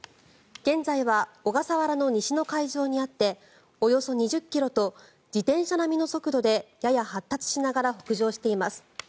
現在は小笠原の西の海上にあっておよそ２０ｋｍと自転車並みの速度でやや発達しながら北上しています。